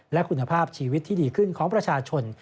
และคุณภาพชีวิตที่ดีขึ้นของประชาชน